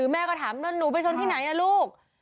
แม่ก็ถามแล้วหนูไปชนที่ไหนลูก